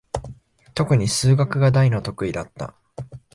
とくに数学が大の得意だった。